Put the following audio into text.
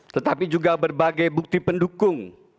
tetapi juga berbagai bukti pendukung